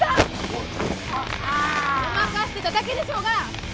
ごまかしてただけでしょうが！